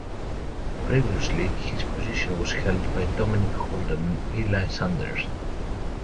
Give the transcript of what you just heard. Previously, the position was held by Dominic Holden and Eli Sanders.